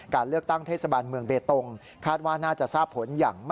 การเลือกตั้งเทศบันเมืองเบตรง